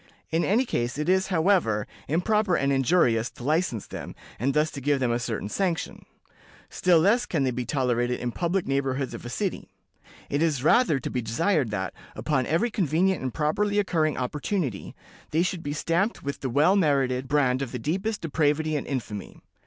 _ In any case, it is, however, improper and injurious to license them, and thus to give them a certain sanction; still less can they be tolerated in public neighborhoods of a city. It is rather to be desired that, upon every convenient and properly occurring opportunity, they should be stamped with the well merited brand of the deepest depravity and infamy.